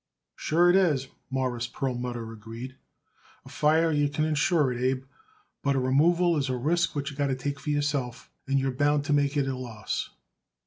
"Sure it is," Morris Perlmutter agreed. "A fire you can insure it, Abe, but a removal is a risk what you got to take yourself; and you're bound to make it a loss."